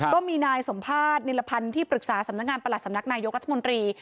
ก็มีนายสมภาษณิรพันธ์ที่ปรึกษาสำนักงานประหลัดสำนักนายกรัฐมนตรี